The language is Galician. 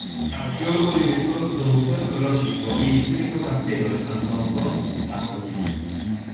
Arqueólogo e director do Museo Arqueolóxico e Histórico Castelo de Santo Antón da Coruña.